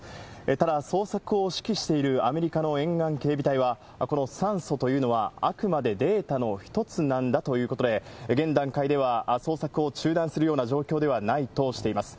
ただ捜索を指揮しているアメリカの沿岸警備隊は、この酸素というのはあくまでデータの一つなんだということで、現段階では捜索を中断するような状況ではないとしています。